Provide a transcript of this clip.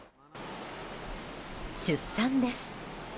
出産です。